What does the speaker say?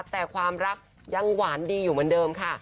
แต่ความรักยังหวานดีอยู่เหมือนเดิมค่ะ